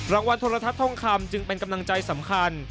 โทรทัศน์ทองคำจึงเป็นกำลังใจสำคัญ